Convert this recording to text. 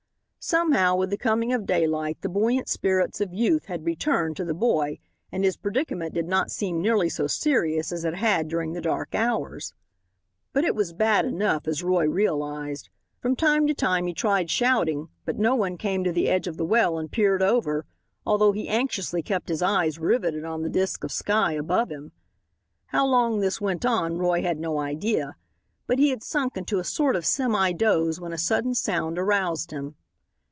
Somehow, with the coming of daylight, the buoyant spirits of youth had returned to the boy and his predicament did not seem nearly so serious as it had during the dark hours. But it was bad enough, as Roy realized. From time to time he tried shouting, but no one came to the edge of the well and peered over, although he anxiously kept his eyes riveted on the disc of sky above him. How long this went on Roy had no idea, but he had sunk into a sort of semi doze when a sudden sound aroused him.